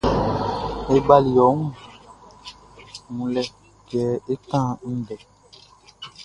E bali ɔ wun wunlɛ kɛ é kán ndɛ.